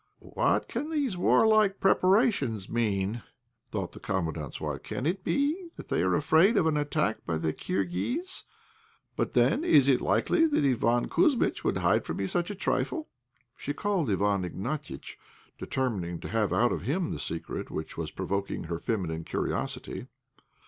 "What can these warlike preparations mean?" thought the Commandant's wife. "Can it be that they are afraid of an attack by the Kirghiz; but then is it likely that Iván Kouzmitch would hide from me such a trifle?" She called Iwán Ignatiitch, determined to have out of him the secret which was provoking her feminine curiosity.